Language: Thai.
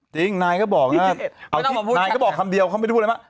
นายก็บอกแล้วนายก็บอกคำเดียวเขาไม่ได้พูดอะไรมาก